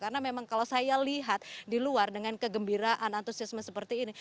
karena memang kalau saya lihat di luar dengan kegembiraan antusiasme seperti ini